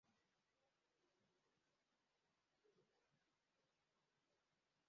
idasanzwe y Inama y Ubuyobozi cyangwa